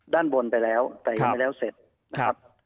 ด้านบนไปแล้วแต่ยังไม่แล้วเสร็จนะครับ